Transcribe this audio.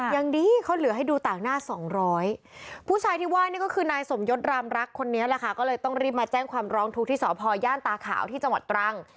ยังดีเขาเหลือให้ดูต่างหน้าสองร้อยผู้ชายที่ว่านี่ก็คือนายสมยศรามรักคนนี้แหละค่ะก็เลยต้องรีบมาแจ้งความร้องทุกข์ที่สพย่านตาขาวที่จังหวัดตรัง